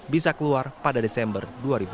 bisa keluar pada desember dua ribu dua puluh